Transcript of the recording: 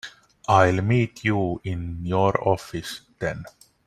I'll meet you in your office then.